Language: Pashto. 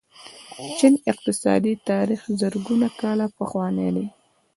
د چین اقتصادي تاریخ زرګونه کاله پخوانی دی.